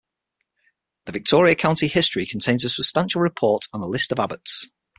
The Victoria County History contains a substantial report and a list of Abbots.